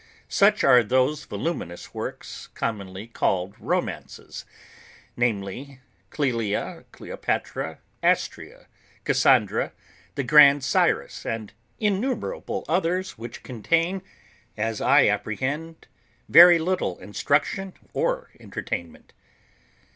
Such are those voluminous works, commonly called Romances, namely, Clelia, Cleopatra, Astraea, Cassandra, the Grand Cyrus, and innumerable others, which contain, as I apprehend, very little instruction or entertainment.